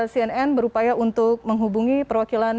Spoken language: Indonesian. cnn berupaya untuk menghubungi perwakilan